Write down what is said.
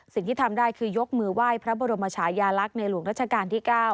สิ่งที่ทำได้คือยกมือไหว้พระบรมชายาลักษณ์ในหลวงรัชกาลที่๙